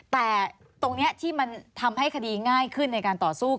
แต่ตรงนี้ที่มันทำให้คดีง่ายขึ้นในการต่อสู้